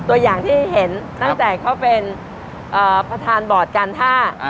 ตัวอย่างที่เห็นตั้งแต่เขาเป็นประธานบอร์ดการท่า